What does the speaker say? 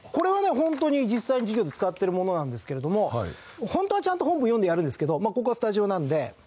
ホントに実際の授業で使ってるものなんですけれどもホントはちゃんと本文を読んでやるんですけどここはスタジオなので。